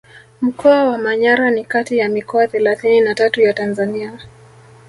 Mkoa wa Manyara ni kati ya mikoa thelathini na tatu ya Tanzania